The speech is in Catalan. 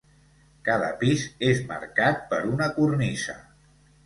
Cada pis és marcat per una cornisa.